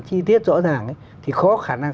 chi tiết rõ ràng ấy thì khó khả năng